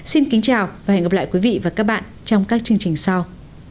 xin kính chào và hẹn gặp lại quý vị và các bạn trong các chương trình sau